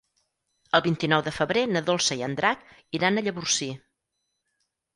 El vint-i-nou de febrer na Dolça i en Drac iran a Llavorsí.